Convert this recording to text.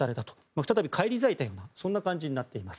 再び返り咲いたような感じになっています。